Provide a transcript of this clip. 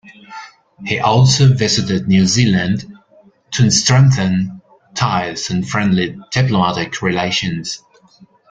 He also visited New Zealand to strengthen ties and friendly diplomatic relations.